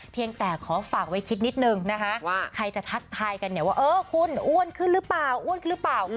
เพียงแต่ขอฝากไว้คิดนิดนึงนะคะว่าใครจะทักทายกันเนี่ยว่าเออคุณอ้วนขึ้นหรือเปล่าอ้วนขึ้นหรือเปล่า